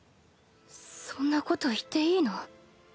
そんなこと言っていいの？